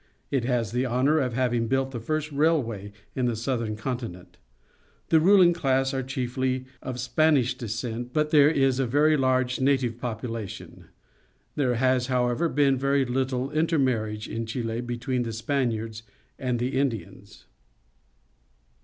It has the honour of having built the first railway in the southern continent. The ruling class ^ are chiefly of Spanish descent, but there is a very large native population. There ha.s, however, been very httle intermarriage in Chile between the Spaniards and the Indians.